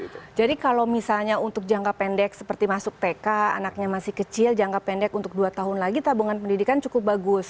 iya jadi kalau misalnya untuk jangka pendek seperti masuk tk anaknya masih kecil jangka pendek untuk dua tahun lagi tabungan pendidikan cukup bagus